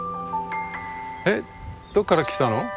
えっどっから来たの？